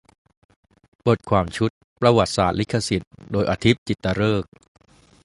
บทความชุด "ประวัติศาสตร์ลิขสิทธิ์" โดย อธิป จิตตฤกษ์